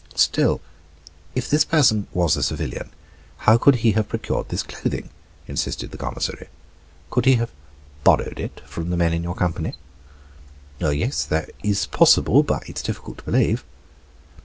"Still, if this person was a civilian, how could he have procured this clothing?" insisted the commissary. "Could he have borrowed it from the men in your company?" "Yes, that is possible; but it is difficult to believe."